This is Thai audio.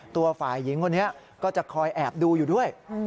ตัวฝ่ายหญิงคนนี้ก็จะคอยแอบดูอยู่ด้วย